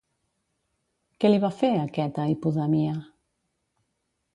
Què li va fer aquest a Hipodamia?